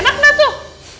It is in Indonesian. enak gak tuh